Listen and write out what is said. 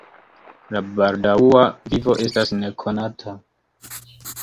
La baldaŭa vivo estas nekonata.